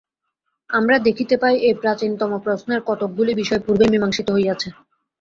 আমরা দেখিতে পাই, এই প্রাচীনতম প্রশ্নের কতকগুলি বিষয় পূর্বেই মীমাংসিত হইয়াছে।